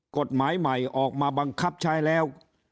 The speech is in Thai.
กฎหมายใหม่ออกมาบังคับใช้แล้ว